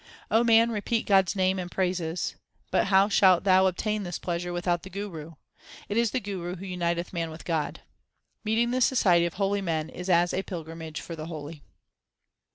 HYMNS OF GURU NANAK 331 O man, repeat God s name and praises ; But how shalt thou obtain this pleasure without the Guru ? It is the Guru who uniteth man with God. Meeting the society of holy men is as a pilgrimage for the holy.